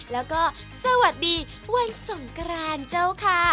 แล้วก็สวัสดีวันสงกรานเจ้าค่ะ